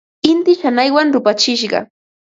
Inti shanaywan rupachishqa.